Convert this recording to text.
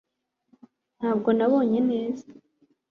ntabwo nabonye neza